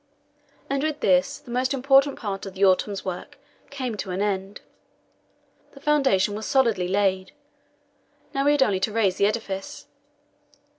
And with this the most important part of the autumn's work came to an end. The foundation was solidly laid; now we had only to raise the edifice.